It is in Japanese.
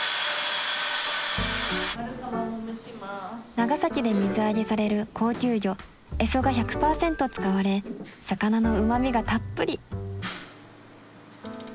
長崎で水揚げされる高級魚エソが１００％使われ魚のうまみがたっぷり！